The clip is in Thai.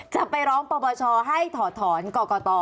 จะไปร้องปปชให้ถอดถอนก่อก่อต่อ